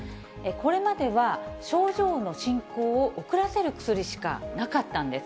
これまでは、症状の進行を遅らせる薬しかなかったんです。